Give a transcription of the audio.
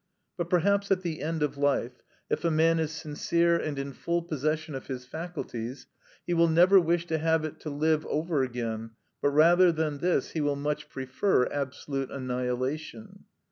But perhaps at the end of life, if a man is sincere and in full possession of his faculties, he will never wish to have it to live over again, but rather than this, he will much prefer absolute annihilation.